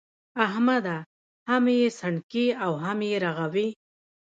احمده! هم يې سڼکې او هم يې رغوې.